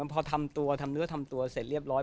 พอทำตัวทำเนื้อทำตัวเสร็จเรียบร้อย